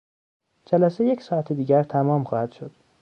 جلسه یک ساعت دیگر تمام خواهد شد.